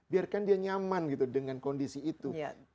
biarkan dia nyaman gitu dengan kondisi itu